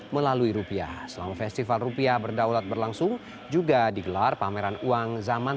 melalui rupiah selama festival rupiah berdaulat berlangsung juga digelar pameran uang zaman